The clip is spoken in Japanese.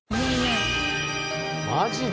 マジで？